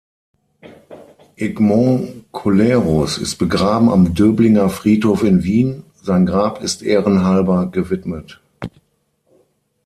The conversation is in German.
Egmont Colerus ist begraben am Döblinger Friedhof in Wien, sein Grab ist ehrenhalber gewidmet.